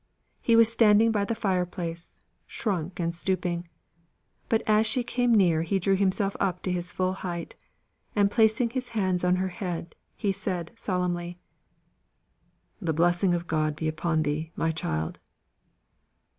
He was standing by the fireplace, shrunk and stooping; but as she came near he drew himself up to his full height, and, placing his hands on her head, he said, solemnly: "The blessing of God be upon thee, my child!"